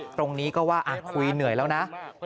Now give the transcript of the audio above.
ตรงนี้ก็ว่าคุยเหนื่อยแล้วนะ